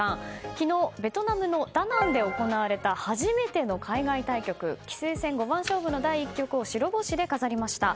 昨日ベトナムのダナンで行われた初めての海外対局棋聖戦五番勝負の第１局を白星で飾りました。